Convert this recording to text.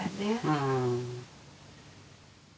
うん。